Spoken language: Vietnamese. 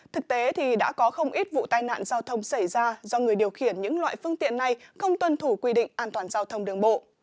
thực tế thì đã có không ít vụ tai nạn giao thông xảy ra do người điều khiển những loại phương tiện này không tuân thủ quy định an toàn giao thông đường bộ